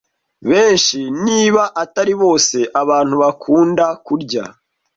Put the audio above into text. Benshi, niba atari bose, abantu bakunda kurya.